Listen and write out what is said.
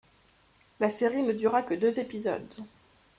La série ne dura que deux épisodes.